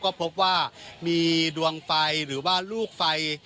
ก็พบว่ามีดวงไฟหรือว่าลูกไฟ